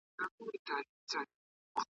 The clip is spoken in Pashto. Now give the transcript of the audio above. غوره کړی چا دوکان چا خانقاه ده `